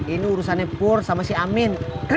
ini urusannya pur sama si amin